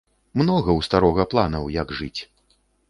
Многа ў старога планаў, як жыць.